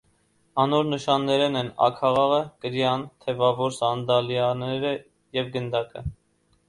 Անոր նշաններէն են աքաղաղը, կրիան, թեւաւոր սանդալիաները եւ գդակը։